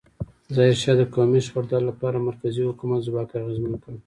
ظاهرشاه د قومي شخړو د حل لپاره د مرکزي حکومت ځواک اغېزمن کړ.